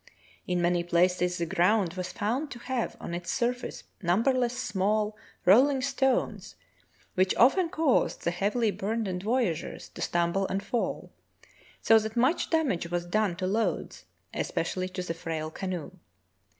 In many places the ground was found to have on its surface numberless small, rolling stones, which often caused the heavily burdened voyageurs to stumble and fall, so that much damage was done to loads, especially to the frail canoe.